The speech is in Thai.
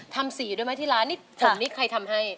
ทำสีด้วยไหมที่ร้านนี่ผมนี่ใครทำให้